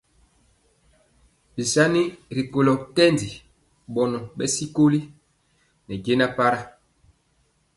Bisani rikolo kɛndi bɔnɔ bɛ sikoli ne jɛna para.